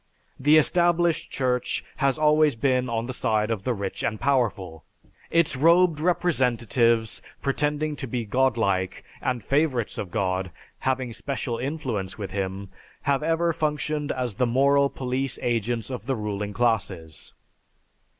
The established Church has always been on the side of the rich and powerful. Its robed representatives, pretending to be Godlike and favorites of God, having special influence with Him, have ever functioned as the moral police agents of the ruling classes.